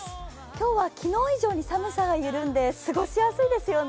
今日は昨日以上に寒さが緩んで過ごしやすいですよね。